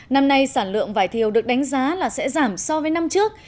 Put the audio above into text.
năm nay sản lượng vải thiều được đánh giá là sẽ giảm so với năm trước